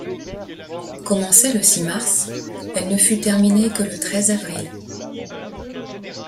Commencée le six mars, elle ne fut terminée que le treize avril.